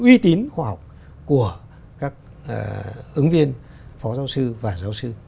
chúng ta cần phải chạy theo cái số lượng khóa học của các ứng viên phó giáo sư và giáo sư